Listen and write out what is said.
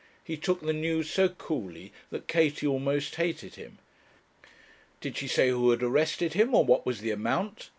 He took the news so coolly that Katie almost hated him. 'Did she say who had arrested him, or what was the amount?'